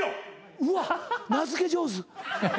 うわっ名付け上手。